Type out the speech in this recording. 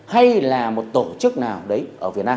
hay là một tổ chức nào đấy ở việt nam